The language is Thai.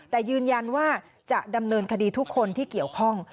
แต่ยืนยันว่าจะดำเนินคดีทุกคนที่เกี่ยวข้อง